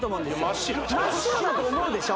真っ白真っ白だと思うでしょ？